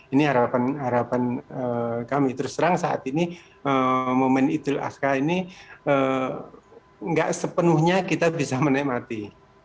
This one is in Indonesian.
ini harapan kami terus terang saat ini momen idul adha ini nggak sepenuhnya kita bisa menikmati